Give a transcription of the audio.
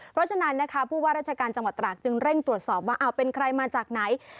เพราะฉะนั้นนะคะผู้ว่าราชการจังหวัดตรากจึงเร่งตรวจสอบว่าเป็นใครมาจากไหน